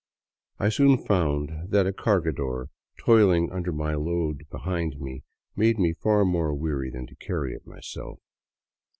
I soon found that a cargador toiling under my load behind me made me far more weary than to carry it myself.